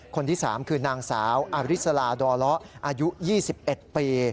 คนที่๓คือนางสาวอฤษลาตรอายุ๒๑ปี